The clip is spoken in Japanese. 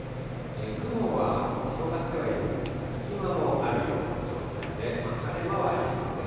雲は広がってはいるんですが、隙間もあるような状態で、晴れ間はありそうです。